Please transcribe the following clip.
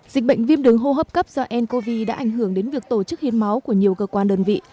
dịch bệnh viêm đường hô hấp cấp do ncov đã ảnh hưởng đến việc tổ chức hiến máu của nhiều cơ quan đơn vị